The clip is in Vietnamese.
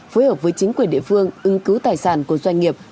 phối hợp với chính quyền địa phương ứng cứu tài sản của doanh nghiệp